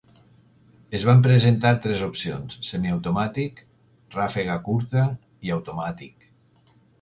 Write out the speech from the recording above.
Es van presentar tres opcions: semiautomàtic, ràfega curta, i automàtic.